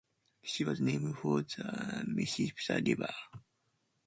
She was named for the Mississippi River.